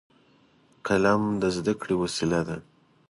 قلم د زده کړې وسیله ده